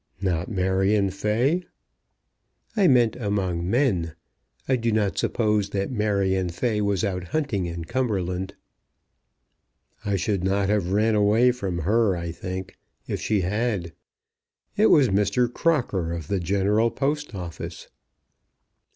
"Not Marion Fay?" "I meant among men. I do not suppose that Marion Fay was out hunting in Cumberland." "I should not have ran away from her, I think, if she had. It was Mr. Crocker, of the General Post Office."